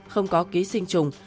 không có ký sinh trùng